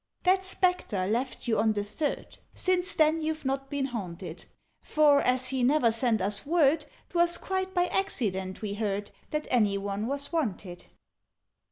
"That Spectre left you on the Third Since then you've not been haunted: For, as he never sent us word, 'Twas quite by accident we heard That any one was wanted.